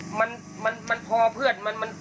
คนมันเยอะมันก็ไม่กลัวอะไรนะ